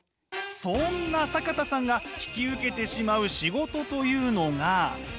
そんな坂田さんが引き受けてしまう仕事というのが。